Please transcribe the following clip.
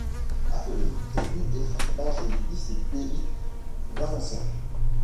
Actuellement, c'est une des rares plages nudistes du Pays Valencien.